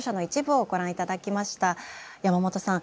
山本さん